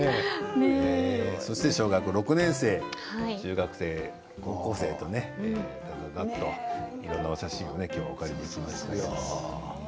そして小学６年生中学、高校生とねいろんなお写真をお借りしています。